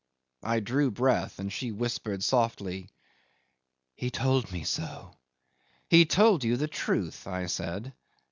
I drew breath and she whispered softly, "He told me so." "He told you the truth," I said.